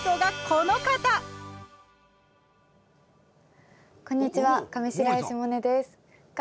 こんにちは。